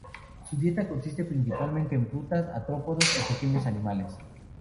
Su dieta consiste principalmente en frutas, artrópodos y pequeños animales.